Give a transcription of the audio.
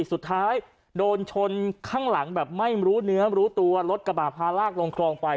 สุดท้ายโดนชนข้างหลังแบบไม่รู้เนื้อรู้ตัวรถกระบาดพาลากลงคลองไป